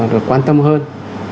được quan tâm hơn